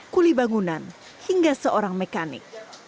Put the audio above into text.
kuli bangunan hingga seorang mekanik